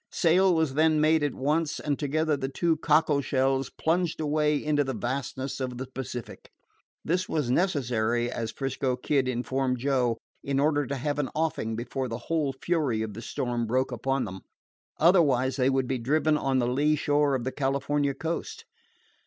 Sail was then made at once, and together the two cockle shells plunged away into the vastness of the Pacific. This was necessary, as 'Frisco Kid informed Joe, in order to have an offing before the whole fury of the storm broke upon them. Otherwise they would be driven on the lee shore of the California coast.